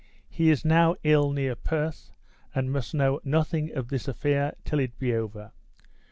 He is now ill near Perth, and must know nothing of this affair till it be over.